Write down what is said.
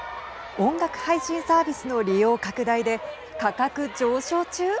音楽配信サービスの利用拡大で価格上昇中。